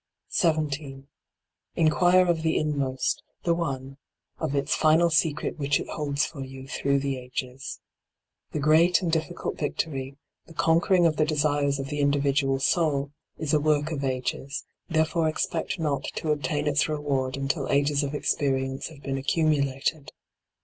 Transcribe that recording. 17. Inquire of the inmost, the one, of its final secret which it holds for you through the ages. The great and difficult victory, the con quering of the desires of the individual soul, is a work of ages ; therefore expect not to obtain its reward until ages of experience have been accumulated.